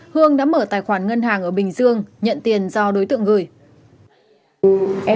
hương đã mở tài khoản ngân hàng ở bình dương nhận tiền do đối tượng gửi